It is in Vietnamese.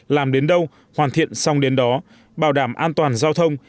làm đến đâu hoàn thiện xong đến đó bảo đảm an toàn giao thông